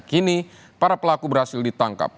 kini para pelaku berhasil ditangkap